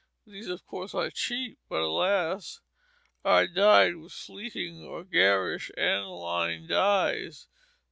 These, of course, are cheap, but alas! are dyed with fleeting or garish aniline dyes.